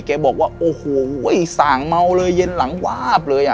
แกบอกว่าโอ้โหส่างเมาเลยเย็นหลังวาบเลยอ่ะ